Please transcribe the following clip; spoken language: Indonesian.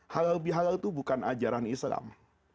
halal bihalal itu bukan ajaran islam